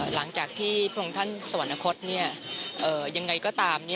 หลังจากที่พระองค์ท่านสวรรคตยังไงก็ตาม